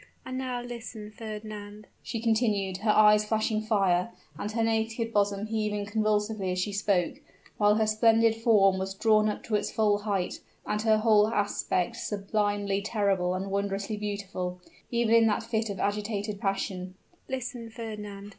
and now listen Fernand," she continued, her eyes flashing fire, and her naked bosom heaving convulsively as she spoke, while her splendid form was drawn up to its full height, and her whole aspect sublimely terrible and wondrously beautiful, even in that fit of agitated passion "listen, Fernand!"